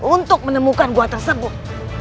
untuk menemukan gua tersebut